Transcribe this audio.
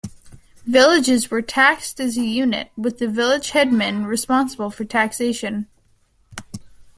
Villages were taxed as a unit, with the village headman responsible for taxation.